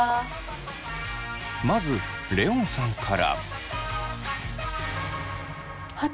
まずレオンさんから。